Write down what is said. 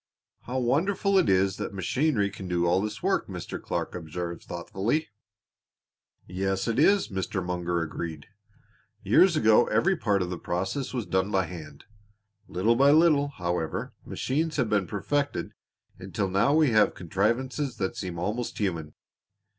"How wonderful it is that machinery can do all this work," Mr. Clark observed thoughtfully. "Yes, it is," Mr. Munger agreed. "Years ago every part of the process was done by hand. Little by little, however, machines have been perfected until now we have contrivances that seem almost human.